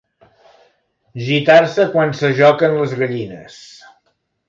Gitar-se quan s'ajoquen les gallines.